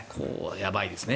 やばいですね。